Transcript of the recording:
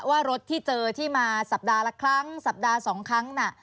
ว่ารถที่เจอที่มาสัปดาห์ละครั้งสัปดาห์๒ครั้งน่ะ